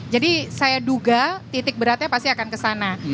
jadi saya duga titik beratnya pasti akan kesana